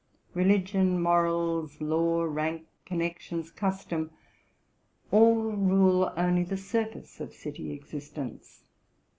Religion, morals, law, rank, connections, custom, all rule only the surface of city existence.